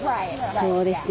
そうですね。